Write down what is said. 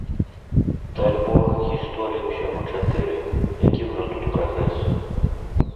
Дальбог, гісторый усяго чатыры, які ўжо тут прагрэс.